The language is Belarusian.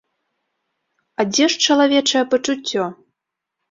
А дзе ж чалавечае пачуццё?